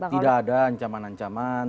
tidak ada ancaman ancaman